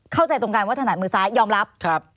เข้าใจตรงกันว่าถนัดมือซ้ายยอมรับ